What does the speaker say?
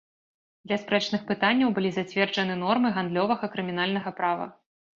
Для спрэчных пытанняў былі зацверджаны нормы гандлёвага крымінальнага права.